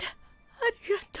ありがとう。